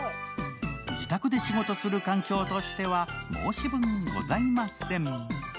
自宅で仕事する環境としては、申し分ございません。